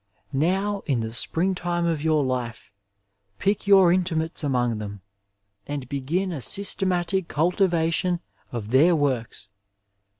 Now, in the spring time of life, pick your intimates among them, and begin a systema tic cultivation of their works.